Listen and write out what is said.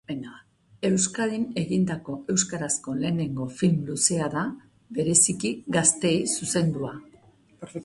Euskadin egindako euskarazko lehenengo film luzea da, bereziki gazteei zuzendua.